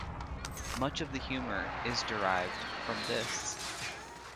Much of the humor is derived from this.